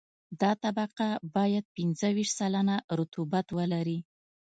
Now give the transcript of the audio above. دا طبقه باید پنځه ویشت سلنه رطوبت ولري